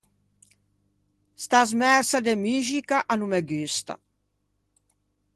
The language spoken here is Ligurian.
Sta smersa de muxica a no me gusta.